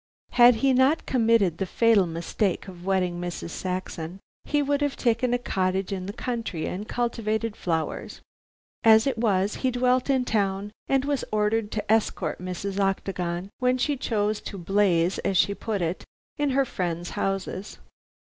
Had he not committed the fatal mistake of wedding Mrs. Saxon, he would have taken a cottage in the country and cultivated flowers. As it was, he dwelt in town and was ordered to escort Mrs. Octagon when she chose to "blaze," as she put it, in her friends' houses.